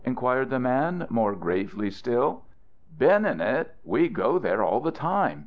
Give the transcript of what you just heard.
inquired the man more gravely still. "Been in it! We go there all the time.